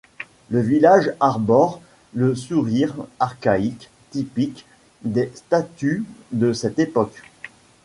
Le visage arbore le sourire archaïque typique des statues de cette époque.